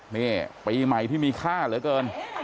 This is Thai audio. นี่ปีใหม่ที่มีค่าเหลือเกิน